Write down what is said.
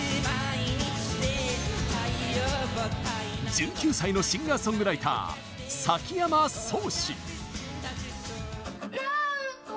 １９歳のシンガーソングライター崎山蒼志。